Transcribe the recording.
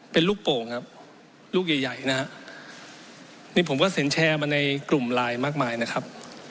เป็นลูกโป่งครับลูกใหญ่ใหญ่นะฮะนี่ผมก็เห็นแชร์มาในกลุ่มไลน์มากมายนะครับ